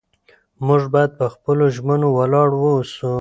موږ باید په خپلو ژمنو ولاړ واوسو